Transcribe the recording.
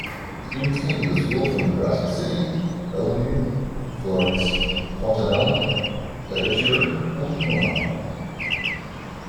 Students came to the school from Nebraska City, Bellevue, Florence, Fontanelle, Decatur and Omaha.